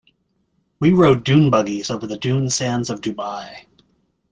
We rode dune buggies over the dune sands of Dubai.